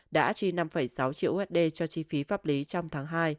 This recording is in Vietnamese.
đã chi năm sáu triệu usd cho chi phí pháp lý trong tháng hai